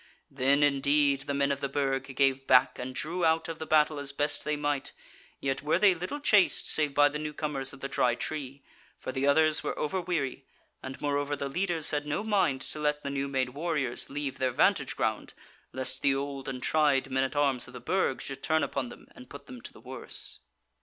Then indeed the men of the Burg gave back and drew out of the battle as best they might: yet were they little chased, save by the new comers of the Dry Tree, for the others were over weary, and moreover the leaders had no mind to let the new made warriors leave their vantage ground lest the old and tried men at arms of the Burg should turn upon them and put them to the worse.